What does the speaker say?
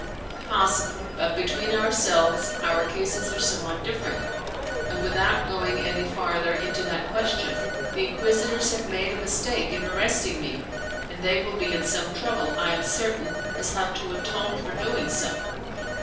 "Possibly, but between ourselves our cases are somewhat different; and without going any farther into that question, the Inquisitors have made a mistake in arresting me, and they will be in some trouble, I am certain, as to how to atone for doing so."